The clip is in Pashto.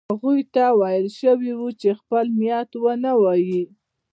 هغوی ته ویل شوي وو چې خپل نیت ونه وايي.